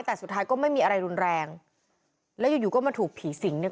แต่สุดท้ายก็ไม่มีอะไรรุนแรงแล้วอยู่อยู่ก็มาถูกผีสิงเนี่ย